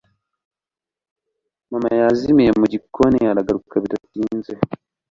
mama yazimiye mu gikoni aragaruka bidatinze